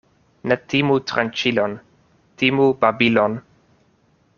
Ne timu tranĉilon, timu babilon.